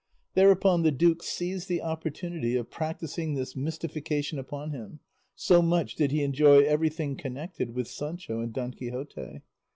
Thereupon the duke seized the opportunity of practising this mystification upon him; so much did he enjoy everything connected with Sancho and Don Quixote.